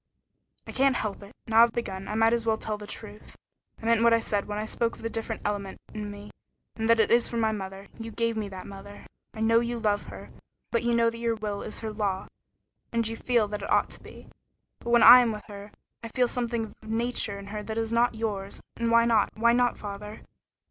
"I can't help it. Now I've begun, I might as well tell the truth. I meant what I said when I spoke of the different element in me, and that it is from my mother. You gave me that mother. I know you love her, and you know that your will is her law, as you feel that it ought to be. But when I am with her, I feel something of a nature in her that is not yours. And why not? Why not, father?